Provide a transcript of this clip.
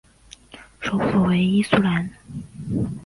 首府为伊苏兰。